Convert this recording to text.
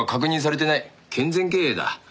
健全経営だ。